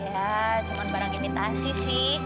ya cuma barang imitasi sih